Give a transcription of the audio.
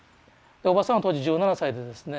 おばさんは当時１７歳でですね